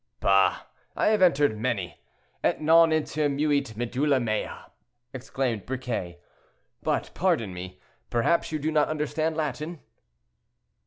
"Bah! I have entered many. Et non intermuit medulla mea!" exclaimed Briquet; "but pardon me, perhaps you do not understand Latin?"